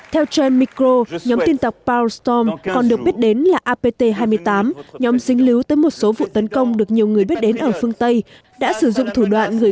theo trend micro nhóm tin tặc power storm còn được biết đến là apt hai mươi tám nhóm dính lưu tới một số vụ tấn công được nhiều người biết đến ở phương tây đã sử dụng thủ đô của nga để tìm kiếm lợi ích của người anh sinh sống ở eu